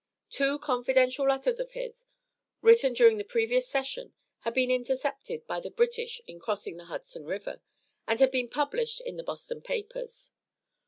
Two confidential letters of his, written during the previous session, had been intercepted by the British in crossing the Hudson river, and had been published in the Boston papers.